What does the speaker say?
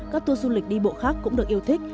các tour du lịch đi bộ khác cũng được yêu thích